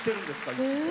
いつも。